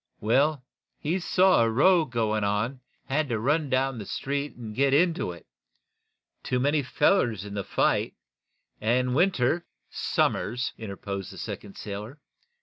"Well, he saw a row going on, and he had to run down the street and get into it. Too many fellers in the fight, and Winter " "Somers," interposed the second sailor.